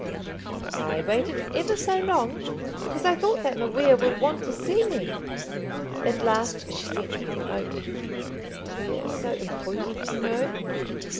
"I waited ever so long, because I thought that Maria would want to see me. At last she sent me a note. Maria is so imprudent, you know.